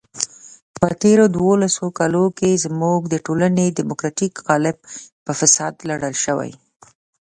په تېرو دولسو کالو کې زموږ د ټولنې دیموکراتیک قالب په فساد لړل شوی.